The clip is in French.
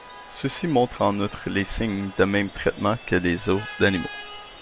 Ceux-ci montrent en outre les signes des mêmes traitements que les os d'animaux.